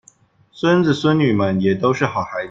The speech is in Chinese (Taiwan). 孫子孫女們也都是好孩子